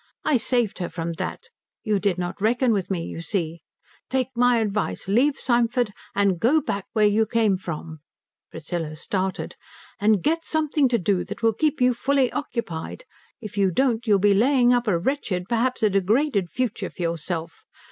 I saved her from that you did not reckon with me, you see. Take my advice leave Symford, and go back to where you came from" Priscilla started "and get something to do that will keep you fully occupied. If you don't, you'll be laying up a wretched, perhaps a degraded future for yourself.